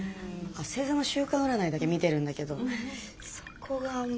星座の週間占いだけ見てるんだけどそこがあんまり。